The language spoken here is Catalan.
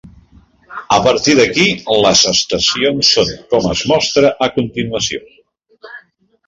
A partir d'aquí, les estacions són com es mostra a continuació.